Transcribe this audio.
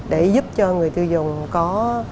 để giúp cho người tiêu dùng có